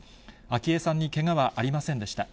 昭恵さんにけがはありませんでした。